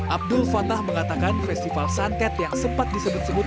abdul fatah mengatakan festival santet yang sempat disebut sebut